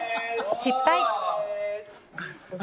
失敗！